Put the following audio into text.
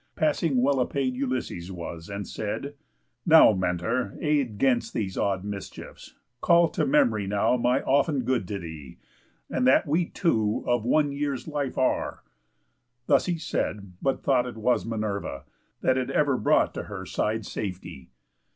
Passing well apaid Ulysses was, and said: "Now, Mentor, aid 'Gainst these odd mischiefs; call to memory now My often good to thee, and that we two Of one year's life are." Thus he said, but thought ft was Minerva, that had ever brought To her side safety.